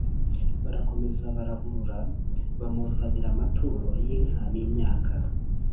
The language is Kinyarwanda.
barakomeza barahurura, bamuzanira amaturo y'inka n'imyaka;